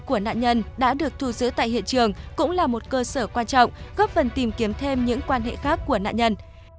của nạn nhân đã được thu giữ tại hiện trường cũng là một cơ sở quan trọng góp phần tìm kiếm thêm những quan hệ khác của nạn nhân